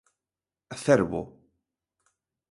Cervo.